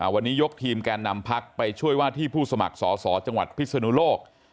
วันนี้ยกทีมแก่นำพักไปช่วยว่าที่ผู้สมัครสอสอจังหวัดพิศนุโลก